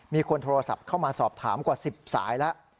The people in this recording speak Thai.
มีคนโทรศัพท์เข้ามาสอบถามกว่า๑๐สายแล้ว